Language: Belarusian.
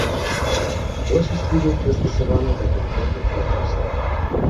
Большасць відаў прыстасавана да канкрэтных ярусаў.